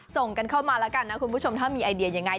ส่งกันเข้ามาแล้วกันนะคุณผู้ชมถ้ามีไอเดียยังไง